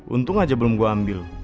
untung aja belum gue ambil